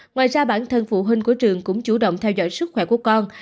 ngoài ra bản thân phụ huynh của trường cũng chủ động theo dõi sức khỏe của con